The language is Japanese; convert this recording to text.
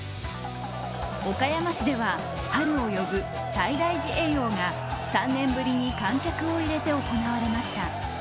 岡山市では春を呼ぶ西大寺会陽が３年ぶりに観客を入れて行われました。